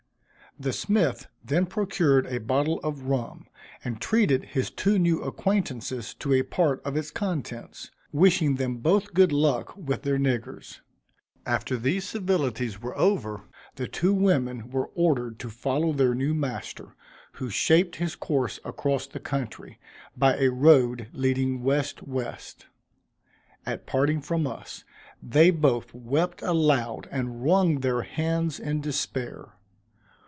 The smith then procured a bottle of rum, and treated his two new acquaintances to a part of its contents wishing them both good luck with their niggers. After these civilities were over, the two women were ordered to follow their new master, who shaped his course across the country, by a road leading westwest. At parting from us, they both wept aloud, and wrung their hands in despair.